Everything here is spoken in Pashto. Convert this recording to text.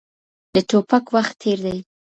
د ټوپک وخت تېر دی.